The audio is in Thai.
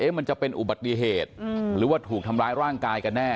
มันจะเป็นอุบัติเหตุหรือว่าถูกทำร้ายร่างกายกันแน่